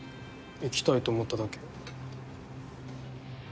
行きたいと思っただけ。